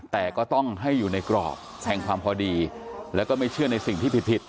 แต่ก็ต้องให้อยู่ในกรอบแห่งความพอดีแล้วก็ไม่เชื่อในสิ่งที่ผิด